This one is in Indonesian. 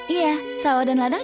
iya sawah dan ladang